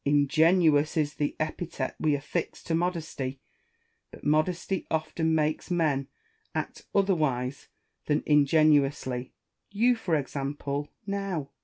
Ingenuous is the epithet we affix to modesty, but modesty often makes men act otherwise than ingenuously : you, for example, now.